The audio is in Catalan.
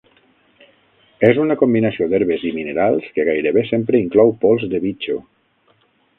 És una combinació d'herbes i minerals que gairebé sempre inclou pols de bitxo.